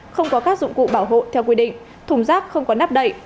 không có các dụng cụ bảo hộ theo quy định thùng rác không có nắp đậy